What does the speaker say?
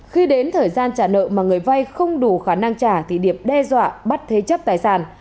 khi đến thời gian trả nợ mà người vay không đủ khả năng trả thì điệp đe dọa bắt thế chấp tài sản